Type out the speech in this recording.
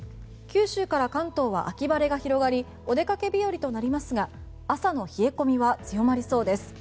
九州から関東は秋晴れが広がりお出かけ日和となりますが朝の冷え込みは強まりそうです。